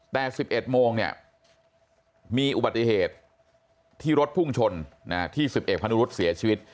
แต่๑๑โมงเนี่ยมีอุบัติเหตุที่รถพุ่งชนที่๑๑พนุรุษเสียชีวิต